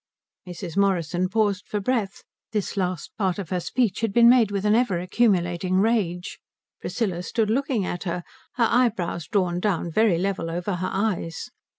Mrs. Morrison paused for breath. This last part of her speech had been made with an ever accumulating rage. Priscilla stood looking at her, her eyebrows drawn down very level over her eyes.